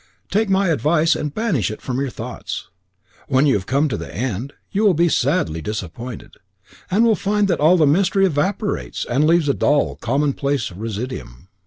"Take my advice and banish it from your thoughts. When you have come to the end, you will be sadly disappointed, and will find that all the mystery evaporates, and leaves a dull, commonplace residuum.